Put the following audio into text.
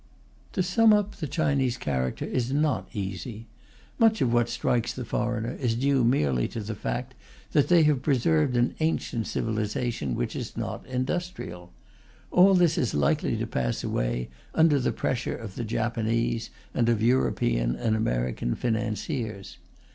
To sum up the Chinese character is not easy. Much of what strikes the foreigner is due merely to the fact that they have preserved an ancient civilization which is not industrial. All this is likely to pass away, under the pressure of the Japanese, and of European and American financiers.